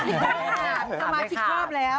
ก็น่ะคาคาไม่ขับ